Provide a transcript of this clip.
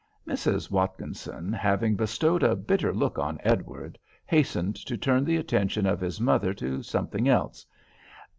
Mrs. Watkinson having bestowed a bitter look on Edward, hastened to turn the attention of his mother to something else.